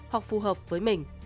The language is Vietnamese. hoặc phù hợp với mình